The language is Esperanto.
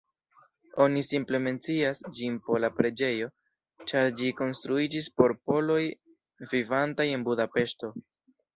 Oni simple mencias ĝin "pola preĝejo", ĉar ĝi konstruiĝis por poloj vivantaj en Budapeŝto.